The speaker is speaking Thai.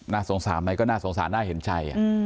สงสารไหมก็น่าสงสารน่าเห็นใจ